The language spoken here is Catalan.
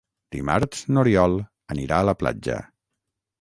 Dimarts n'Oriol anirà a la platja.